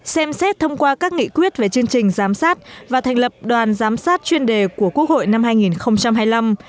xem xét thông qua các nghị quyết về chương trình giám sát và thành lập đoàn giám sát chuyên đề của quốc hội năm hai nghìn hai mươi năm